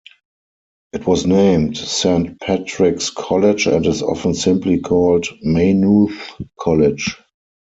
It was named Saint Patrick's College and is often simply called Maynooth College.